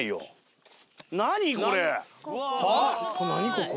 ここ。